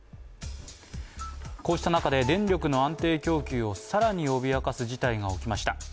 こうした中で電力の安定供給を更に脅かす事態が起きました。